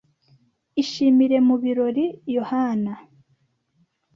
Ishimire mu birori, Yohana.